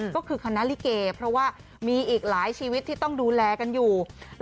ก็คือคณะลิเกเพราะว่ามีอีกหลายชีวิตที่ต้องดูแลกันอยู่